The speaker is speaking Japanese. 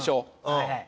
はいはい。